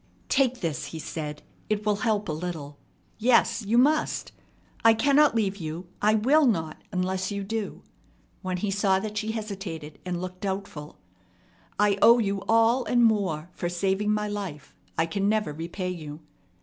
"Take this," he said. "It will help a little. Yes, you must! I cannot leave you I will not unless you do," when he saw that she hesitated and looked doubtful. "I owe you all and more for saving my life. I can never repay you.